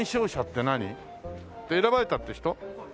選ばれたっていう人？